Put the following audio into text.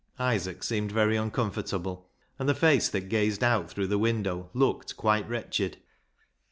Isaac seemed very uncomfortable, and the face that gazed out through the window looked quite wretched.